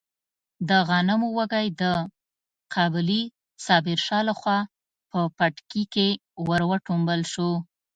د غنمو وږی د کابلي صابر شاه لخوا په پټکي کې ور وټومبل شو.